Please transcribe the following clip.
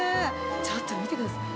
ちょっと見てください。